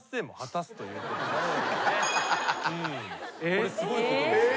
これすごいことですよ。